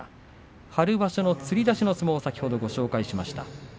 春場所、つり出しの相撲先ほどご紹介しました。